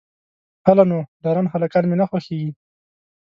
_هله نو، ډارن هلکان مې نه خوښېږي.